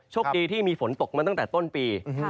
โชคดีที่มีฝนตกมาตั้งแต่ต้นปี